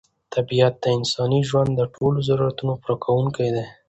طبیعت د انساني ژوند د ټولو ضرورتونو پوره کوونکی دی.